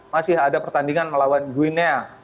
masih ada pertandingan melawan gwina